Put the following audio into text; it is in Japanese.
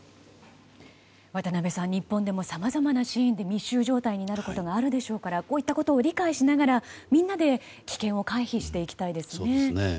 渡辺さん、日本でもさまざまなシーンで密集状態になることがあるでしょうからこういったことを理解しながらみんなで危険を回避していきたいですね。